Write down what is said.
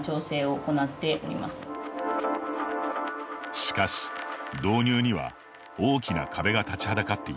しかし、導入には大きな壁が立ちはだかっています。